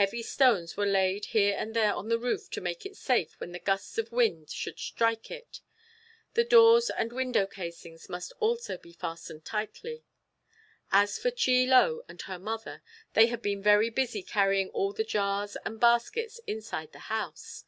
Heavy stones were laid here and there on the roof to make it safe when the gusts of wind should strike it. The doors and window casings must also be fastened tightly. As for Chie Lo and her mother, they had been very busy carrying all the jars and baskets inside the house.